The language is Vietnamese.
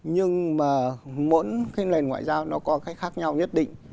nhưng mà mỗi cái lệnh ngoại giao nó có cách khác nhau nhất định